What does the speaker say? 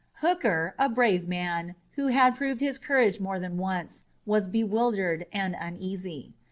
Hooker, a brave man, who had proved his courage more than once, was bewildered and uneasy.